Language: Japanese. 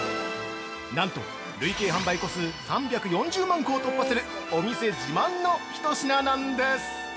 なんと、累計販売個数３４０万個を突破するお店自慢の一品なんです。